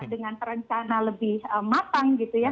dengan rencana lebih matang